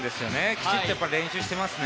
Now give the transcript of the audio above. きちっと練習していますね。